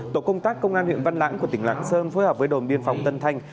tổ công tác công an huyện văn lãng của tỉnh lạng sơn phối hợp với đồn biên phòng tân thanh